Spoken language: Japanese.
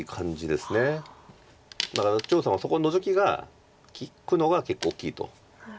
だから張栩さんはそこノゾキが利くのが結構大きいと。